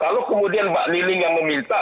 kalau kemudian mbak niling yang meminta